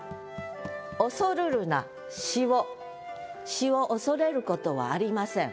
詩を恐れることはありません。